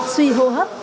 suy hô hấp